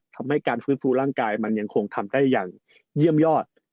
ทำให้การฟื้นฟูร่างกายมันยังคงทำได้อย่างเยี่ยมยอด